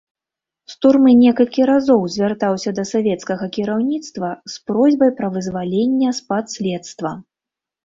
З турмы некалькі разоў звяртаўся да савецкага кіраўніцтва з просьбай пра вызвалення з-пад следства.